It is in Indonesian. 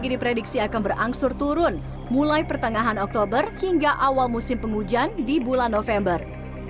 diprediksi akan berangsur turun mulai pertengahan oktober hingga awal musim penghujan di bulan november